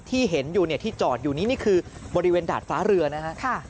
ที่เห็นอยู่เนี่ยที่จอดอยู่นี้นี่คือบริเวณดาดฟ้าเรือนะฮะ